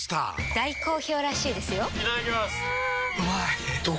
大好評らしいですよんうまい！